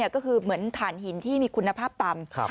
ก็คือเหมือนฐานหินที่มีคุณภาพต่ำ